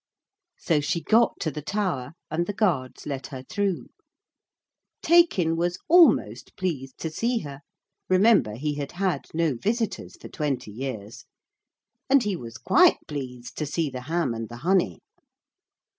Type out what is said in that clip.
So she got to the tower, and the guards let her through. Taykin was almost pleased to see her remember he had had no visitors for twenty years and he was quite pleased to see the ham and the honey.